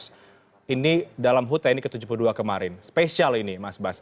mas ini dalam hut tni ke tujuh puluh dua kemarin spesial ini mas bas